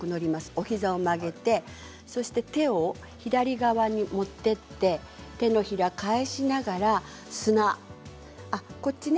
お膝を曲げて手を左側に持っていって手のひらを返しながら砂ですね。